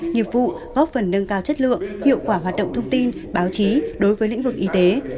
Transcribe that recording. nghiệp vụ góp phần nâng cao chất lượng hiệu quả hoạt động thông tin báo chí đối với lĩnh vực y tế